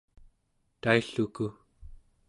tailluku